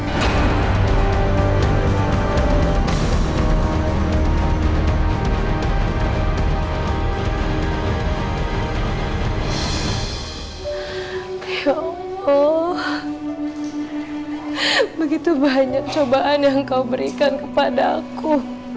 oh begitu banyak cobaan yang kau berikan kepada aku